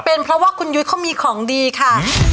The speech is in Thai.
เป็นเพราะว่าคุณยุ้ยเขามีของดีค่ะ